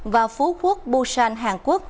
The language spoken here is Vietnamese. và phú quốc busan hàn quốc